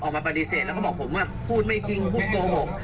ออกมาปฎิเสธแล้วเขาบอกผมกลงบอกว่าพูดไม่จริงพูดโกหก